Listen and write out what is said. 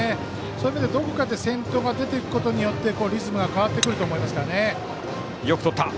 そういう意味ではどこかで先頭が出て行くことによってリズムが変わってくると思います。